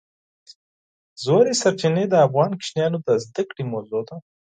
ژورې سرچینې د افغان ماشومانو د زده کړې موضوع ده.